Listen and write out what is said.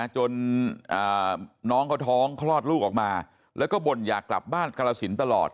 จนน้องเขาท้องคลอดลูกออกมาแล้วก็บ่นอยากกลับบ้านกรสินตลอด